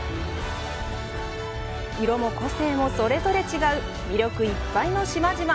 色も個性もそれぞれ違う魅力いっぱいの島々。